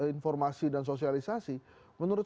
informasi dan sosialisasi menurut